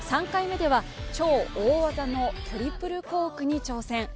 ３回目では超大技のトリプルコークに挑戦。